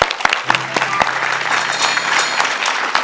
ขอรับ